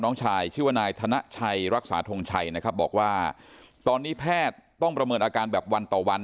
น้องชายชื่อว่านายธนชัยรักษาทงชัยนะครับบอกว่าตอนนี้แพทย์ต้องประเมินอาการแบบวันต่อวัน